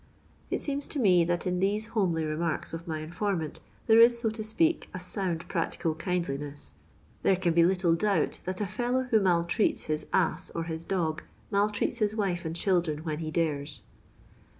It seems to me that in these homely remarks of my informant, there is, so to speak, a sound practical kindliness. There can be little doubt that a fellow who maltreats his ass or his dog, maltreats his wife and children when he dares.